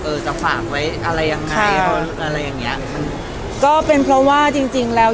จะฝากไว้อะไรยังไงอะไรอย่างเงี้ยก็เป็นเพราะว่าจริงจริงแล้ว